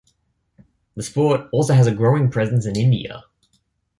The sport also has a growing presence in India.